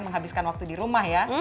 menghabiskan waktu di rumah ya